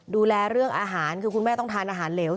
ดูแลเรื่องอาหารคือคุณแม่ต้องทานอาหารเหลว